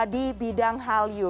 di bidang hallyu